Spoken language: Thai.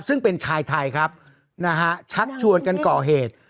ซึ่งเป็นชายไทยครับนะฮะชักชวนกันก่อเหตุ